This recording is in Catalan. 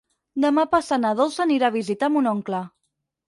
Demà passat na Dolça anirà a visitar mon oncle.